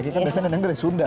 biasanya neneng dari sunda